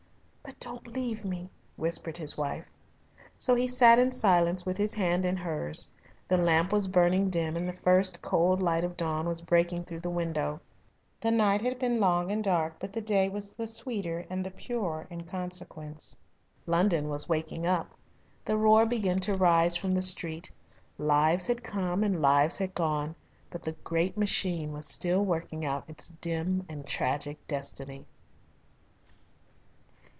"But don't leave me," whispered his wife. So he sat in silence with his hand in hers. The lamp was burning dim and the first cold light of dawn was breaking through the window. The night had been long and dark but the day was the sweeter and the purer in consequence. London was waking up. The roar began to rise from the street. Lives had come and lives had gone, but the great machine was still working out its dim and tragic destiny.